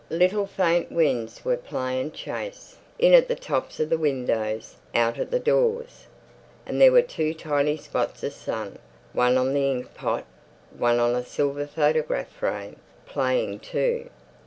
Little faint winds were playing chase, in at the tops of the windows, out at the doors. And there were two tiny spots of sun, one on the inkpot, one on a silver photograph frame, playing too.